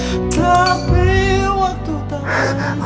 kau lewat banget